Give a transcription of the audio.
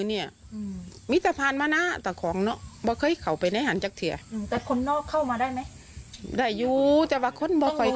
ได้อยู่แต่บางคนไม่เคยเข้าต้องดูทางทาง